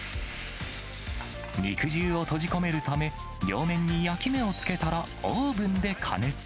肉汁を閉じ込めるため、両面に焼き目をつけたらオーブンで加熱。